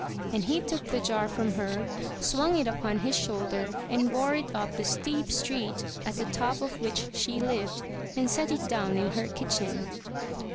And he took the jar from her, swung it upon his shoulder, and bore it up the steep street at the top of which she lived, and set it down in her kitchen.